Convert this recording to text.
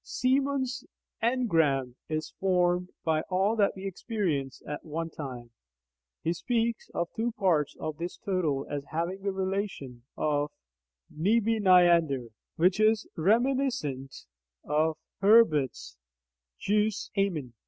Semon's "engram" is formed by all that we experience at one time. He speaks of two parts of this total as having the relation of "Nebeneinander" (M. 118; M.E. 33 ff.), which is reminiscent of Herbart's "Zusammen."